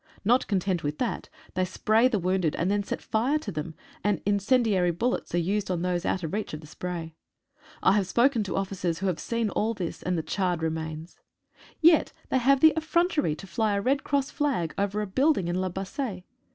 Not content with that, they spray the wounded, and then set fire to them, and incen diary bullets are used on those out of reach of the spray. I have spoken to officers who have seen all this and the 94 TRAITORS IN CAM P. charred remains. Yet they have the affronter} to fly a red cross flag over a building in La Bassee.